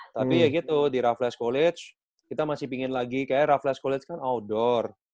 tapi ya gitu di raffles college kita masih ingin lagi kayak raffles college kan outdoor